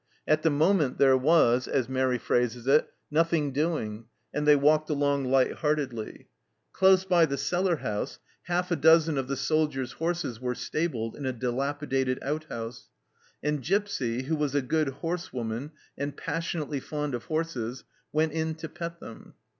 At the moment there was, as Mairi phrases it, " nothing doing," and they walked along light heartedly. Close by the cellar house half a dozen of the soldiers' horses were stabled in a dilapidated outhouse, and Gipsy, who was a good horsewoman and passionately fond of horses, went in to pet them.